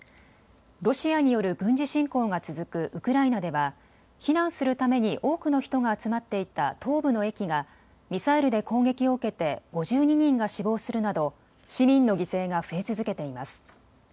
ロシアによる軍事侵攻が続くウクライナでは避難するために多くの人が集まっていた東部の駅がミサイルで攻撃を受けて５２人が死亡するなど市民の犠牲が増え続けています。